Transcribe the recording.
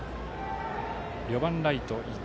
４番ライト、伊藤。